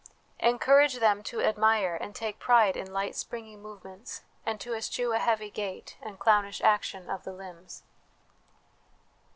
Encourage them to admire and take pride in light springing movements, and to eschew a heavy gait and clownish action of the limbs.